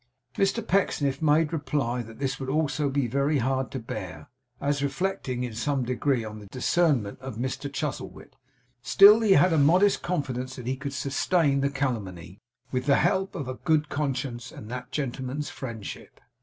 Mr Pecksniff made reply that this would be also very hard to bear, as reflecting, in some degree, on the discernment of Mr Chuzzlewit. Still he had a modest confidence that he could sustain the calumny, with the help of a good conscience, and that gentleman's friendship.